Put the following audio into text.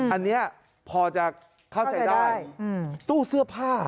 อันนี้พอจะเข้าใจได้ตู้เสื้อผ้า